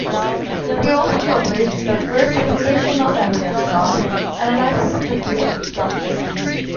He also published the first application of ambient noise analysis to deep structures.